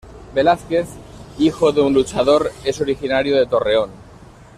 Velázquez, hijo de un luchador, es originario de Torreón.